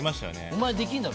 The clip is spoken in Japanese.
お前できんだろ。